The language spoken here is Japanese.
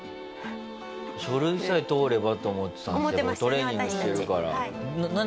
書類さえ通ればと思ってたんですけどトレーニングしてるから。